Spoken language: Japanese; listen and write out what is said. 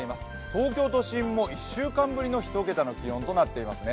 東京都心も１週間ぶりの１桁の気温となっていますね。